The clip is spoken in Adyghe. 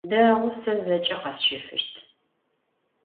Дэгъу, сэ зэкӏэ къэсщэфыщт.